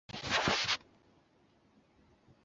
有时刚发芽的稻子